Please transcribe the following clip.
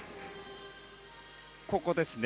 ここですね。